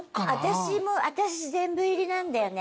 私も私全部入りなんだよね。